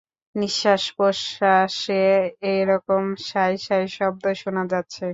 নিশ্বাস-প্রশ্বাসে একরকম শাই শাই শব্দ শোনা যাচ্ছে।